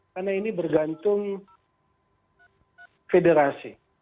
karena ini bergantung federasi